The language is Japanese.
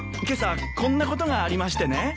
今朝こんなことがありましてね。